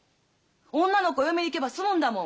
女の子はお嫁に行けば済むんだもん